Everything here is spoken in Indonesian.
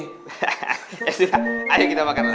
hah ya sudah ayo kita makanlah